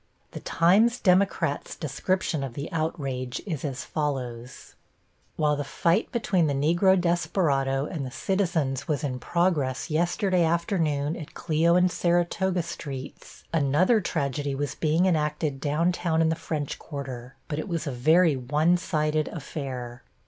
The Times Democrat's description of the outrage is as follows: While the fight between the Negro desperado and the citizens was in progress yesterday afternoon at Clio and Saratoga Streets another tragedy was being enacted downtown in the French quarter, but it was a very one sided affair.